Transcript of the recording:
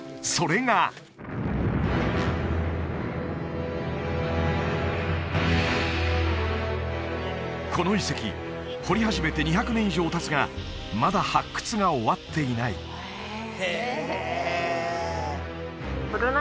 それがこの遺跡掘り始めて２００年以上たつがまだ発掘が終わっていないへえ